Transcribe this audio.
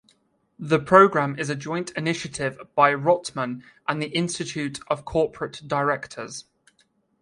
The program is a joint initiative by Rotman and the Institute of Corporate Directors.